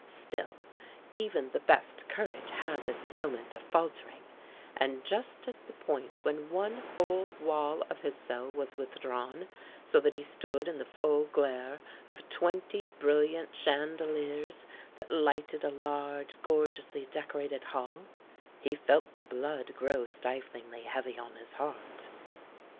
Still, even the best courage has its moment of faltering, and just at the point when one whole wall of his cell was withdrawn, so that he stood in the full glare of twenty brilliant chandeliers that lighted a large, gorgeously decorated hall, he felt the blood grow stiflingly heavy on his heart.